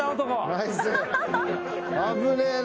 危ねえな。